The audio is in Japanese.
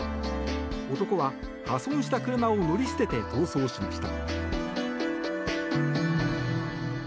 男は破損した車を乗り捨てて逃走しました。